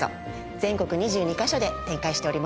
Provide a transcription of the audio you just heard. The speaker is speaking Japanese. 全国２２カ所で展開しております。